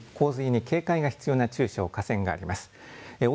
洪水に警戒が必要な中小河川があります。